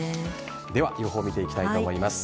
では予報を見ていきたいと思います。